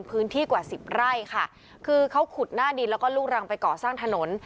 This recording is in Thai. พื้นที่กว่าสิบไร่ค่ะคือเขาขุดหน้าดินแล้วก็ลูกรังไปก่อสร้างถนน